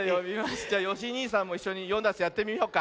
じゃよしにいさんもいっしょに「よんだんす」やってみようか。